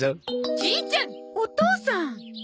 じいちゃん！お義父さん！？